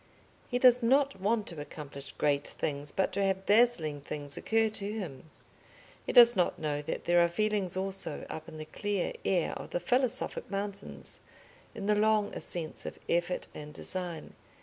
He does not want to accomplish great things, but to have dazzling things occur to him. He does not know that there are feelings also up in the clear air of the philosophic mountains, in the long ascents of effort and design.